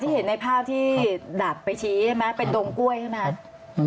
เห็นในภาพที่ดับไปชี้ใช่ไหมเป็นดงกล้วยใช่ไหม